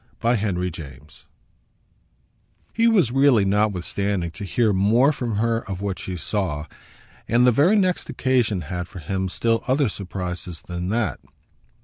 Book Sixth, Chapter 3 He was really, notwithstanding, to hear more from her of what she saw; and the very next occasion had for him still other surprises than that.